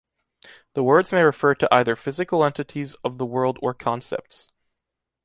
The words may refer to either physical entities of the world or concepts.